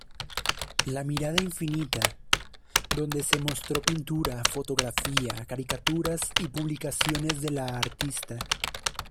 La mirada infinita", donde se mostró pintura, fotografía, caricaturas y publicaciones de la artista.